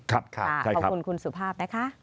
ขอบคุณคุณสุภาพนะคะ